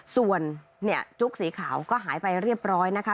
ส่วนเนี่ยจุ๊กสีขาวก็หายไปเรียบร้อยนะคะ